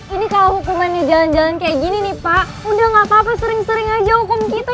ini kalau hukumannya jalan jalan kayak gini nih pak udah gak apa apa sering sering aja hukum kita